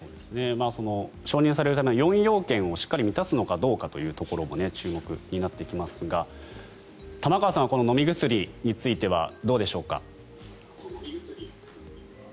承認されるための４要件をしっかり満たすのかどうかというところも注目になってきますが玉川さん、この飲み薬についてはどうでしょうか。